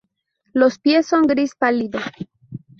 Los pies son gris pálido.